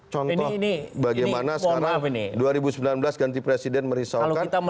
contoh bagaimana sekarang dua ribu sembilan belas ganti presiden merisaukan